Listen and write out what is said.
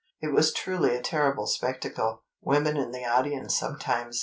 It was truly a terrible spectacle. Women in the audience sometimes fainted.